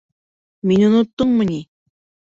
Мине оноттоңмо ни?